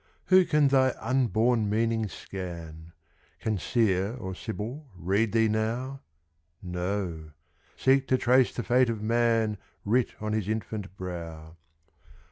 Who can thy unborn meaning scan? Can Seer or Sibyl read thee now? No, seek to trace the fate of man Writ on his infant brow.